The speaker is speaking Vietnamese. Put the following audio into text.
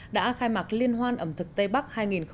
đã khai mạc liên hoan ẩm thực tây bắc